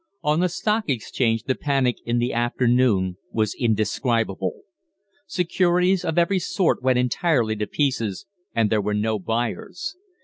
On the Stock Exchange the panic in the afternoon was indescribable. Securities of every sort went entirely to pieces, and there were no buyers.